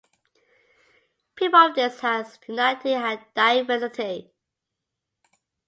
People of this has unity in diversity.